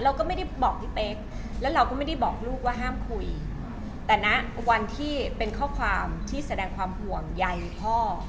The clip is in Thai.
เราก็ไม่ได้บอกพี่เป๊กแล้วเราก็ไม่ได้บอกลูกว่าห้ามคุยแต่นะวันที่เป็นข้อความที่แสดงความห่วงใยพ่อ